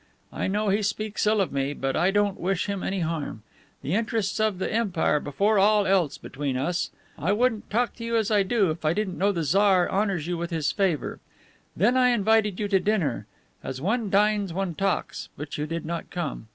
I know he speaks ill of me; but I don't wish him any harm. The interests of the Empire before all else between us! I wouldn't talk to you as I do if I didn't know the Tsar honors you with his favor. Then I invited you to dinner. As one dines one talks. But you did not come.